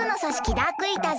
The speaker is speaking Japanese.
ダークイーターズ